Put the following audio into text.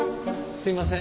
すいません。